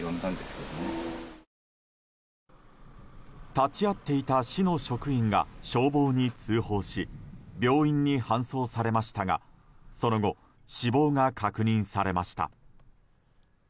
立ち会っていた市の職員が消防に通報し病院に搬送されましたがその後、死亡が確認されました。